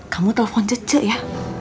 kamu telepon cece ya